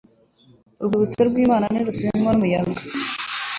Urwubatswe n'IMANA ntirusenywa n' umuyaga